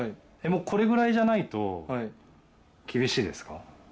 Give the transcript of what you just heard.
もうこれぐらいじゃないと厳しいですか？